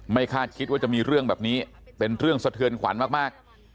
คาดคิดว่าจะมีเรื่องแบบนี้เป็นเรื่องสะเทือนขวัญมาก